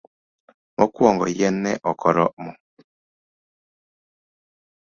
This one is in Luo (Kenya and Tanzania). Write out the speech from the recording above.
mokuongo. yien ok ne oromo